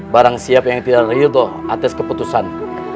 barangsiapa yang tidak ridho atas keputusanku